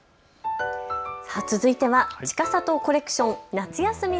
続いてはちかさとコレクション夏休み